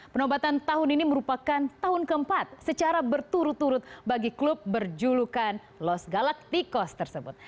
penobatan tahun ini merupakan tahun keempat secara berturut turut bagi klub berjulukan loss galacticos tersebut